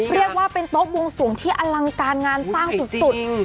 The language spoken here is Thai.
เรียกว่าเป็นโต๊ะบวงสวงที่อลังการงานสร้างสุด